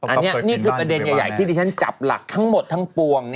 อันนี้นี่คือประเด็นใหญ่ที่ที่ฉันจับหลักทั้งหมดทั้งปวง